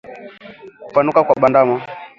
Kupanuka kwa bandama